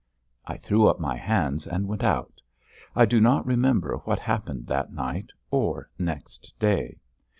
I threw up my hands and went out; I do not remember what happened that night or next day.